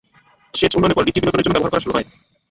সেচ উন্নয়নের পর, হ্রদটি বিনোদনের জন্য ব্যবহার করা শুরু হয়।